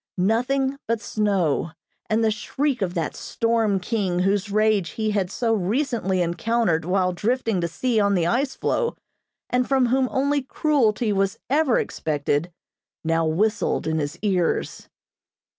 Nothing but snow, and the shriek of that storm king whose rage he had so recently encountered while drifting to sea on the ice floe, and from whom only cruelty was ever expected, now whistled in his ears.